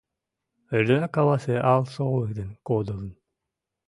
Эрденак кавасе ал солык ден кодылын.